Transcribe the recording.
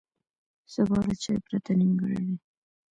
سبا له چای پرته نیمګړی دی.